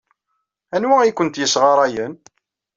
Anwa ay kent-yessɣarayen?